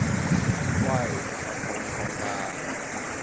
喂！我痛痛㗎！